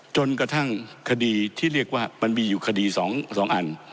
จนกระทั่งคดีที่เรียกว่ามันมีอยู่คดี๒อัน